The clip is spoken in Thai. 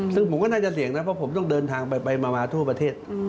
ซึ่งผมก็น่าจะเสี่ยงนะเพราะผมต้องเดินทางไปมาทั่วประเทศ